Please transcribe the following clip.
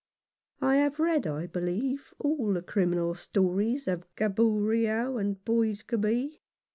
I have read, I believe, all the criminal stories of Gaboriau and Boisgobey.